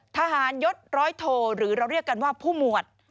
ทหารยศร้อยโทหรือเราเรียกกันว่าผู้หมวด